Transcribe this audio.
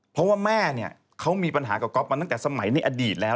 เพราะว่าแม่เนี่ยเขามีปัญหากับก๊อฟมาตั้งแต่สมัยในอดีตแล้ว